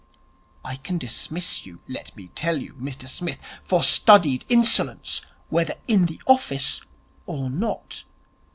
'I can dismiss you, let me tell you, Mr Smith, for studied insolence, whether in the office or not.'